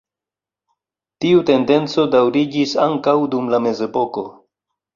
Tiu tendenco daŭriĝis ankaŭ dum la mezepoko.